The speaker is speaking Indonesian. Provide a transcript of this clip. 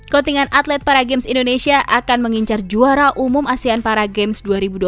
kontingan atlet para games indonesia akan mengincar juara umum asean para games dua ribu dua puluh tiga